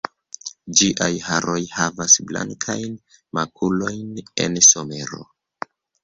Ĝiaj haroj havas blankajn makulojn en somero.